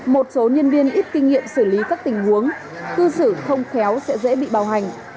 một số nhân viên ít kinh nghiệm xử lý các tình huống cư xử không khéo sẽ dễ bị bào hành